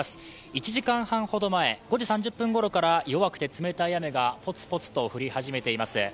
１時間半ほど前５時３０分ごろから弱くて冷たい雨がポツポツと降り始めています。